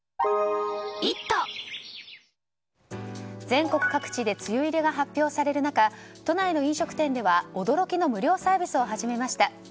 全国各地で梅雨入りが発表される中都内の飲食店では驚きの無料サービスを始めました。